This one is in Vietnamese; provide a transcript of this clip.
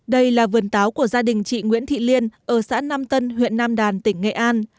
đây là vườn táo của gia đình chị nguyễn thị liên ở xã nam tân huyện nam đàn tỉnh nghệ an